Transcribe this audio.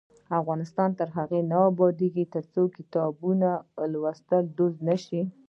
افغانستان تر هغو نه ابادیږي، ترڅو کتاب لوستل دود نشي.